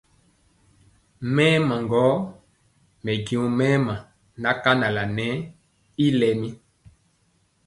Mɛɛma gɔ mɛ jɔ mɛɛma na kanala nɛɛ y lɛmi.